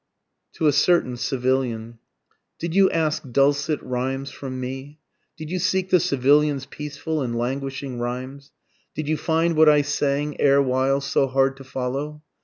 TO A CERTAIN CIVILIAN. Did you ask dulcet rhymes from me? Did you seek the civilian's peaceful and languishing rhymes? Did you find what I sang erewhile so hard to follow?